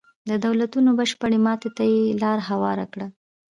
د دولتونو بشپړې ماتې ته یې لار هواره کړه.